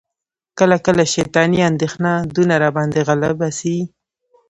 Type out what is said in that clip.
کله کله شیطاني اندیښنه دونه را باندي غالبه سي،